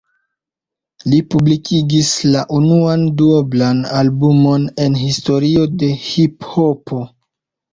Li publikigis la unuan duoblan albumon en historio de hiphopo.